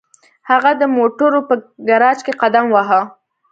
هغه د موټرو په ګراج کې قدم واهه